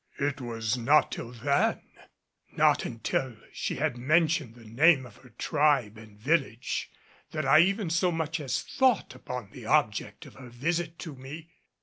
It was not till then, not until she had mentioned the name of her tribe and village, that I even so much as thought upon the object of her visit to me.